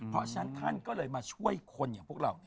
เพราะฉะนั้นท่านก็เลยมาช่วยคนอย่างพวกเรา